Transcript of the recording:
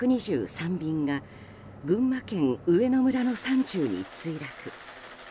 便が群馬県上野村の山中に墜落。